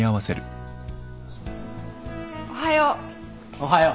おはよう。